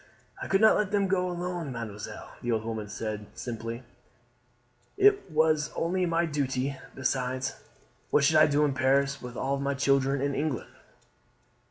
"I could not let them go alone, mademoiselle," the old woman said simply; "it was only my duty. Besides, what should I do in Paris with all my children in England?"